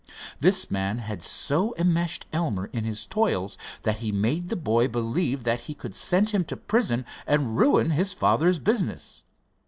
This man had so enmeshed Elmer in his toils, that he made the boy believe that he could send him to prison, and ruin his father's business.